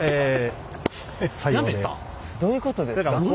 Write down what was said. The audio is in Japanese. どういうことですか？